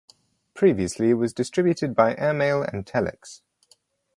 Previously it was distributed by airmail and telex.